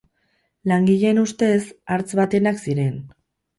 Langileen ustez, hartz batenak ziren.